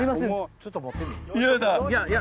ちょっと持ってみいや。